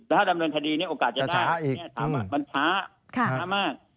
ถ้าดำเนินคดีเนี่ยโอกาสจะได้ถามว่ามันช้าช้ามาก